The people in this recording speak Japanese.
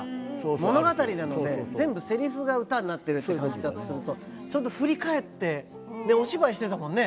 物語なので全部せりふが歌になってるって感じだとするとちょっと振り返ってお芝居してたもんね。